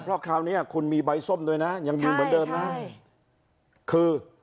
เพราะคราวเนี้ยคุณมีใบส้มด้วยนะยังมีเหมือนเดิมนะใช่คือ